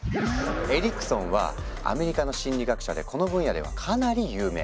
エリクソンはアメリカの心理学者でこの分野ではかなり有名。